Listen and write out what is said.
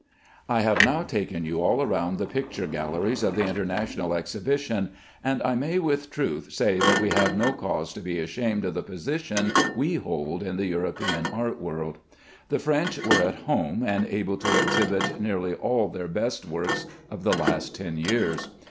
I have now taken you all round the picture galleries of the International Exhibition, and I may with truth say that we have no cause to be ashamed of the position we hold in the European art world. The French were at home and able to exhibit nearly all their best works of the last ten years.